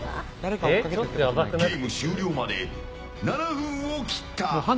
ゲーム終了まで７分を切った。